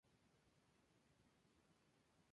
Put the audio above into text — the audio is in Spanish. En Español